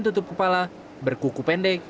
tutup kepala berkuku pendek